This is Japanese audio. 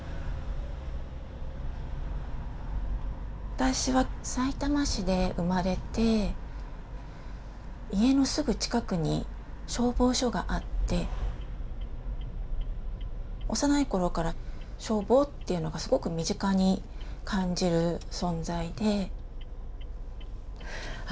私はさいたま市で生まれて家のすぐ近くに消防署があって幼い頃から消防っていうのがすごく身近に感じる存在であ